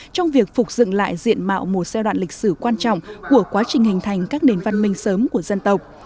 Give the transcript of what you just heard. trong việc phục dựng lại diện mạo một giai đoạn lịch sử quan trọng của quá trình hình thành các nền văn minh sớm của dân tộc